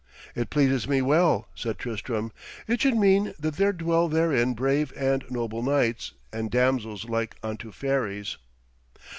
'It pleases me well,' said Tristram; 'it should mean that there dwell therein brave and noble knights, and damsels like unto fairies.'